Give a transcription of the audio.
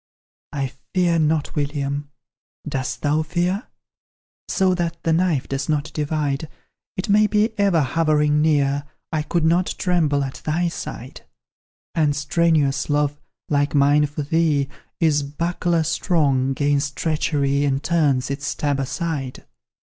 I fear not, William; dost thou fear? So that the knife does not divide, It may be ever hovering near: I could not tremble at thy side, And strenuous love like mine for thee Is buckler strong 'gainst treachery, And turns its stab aside.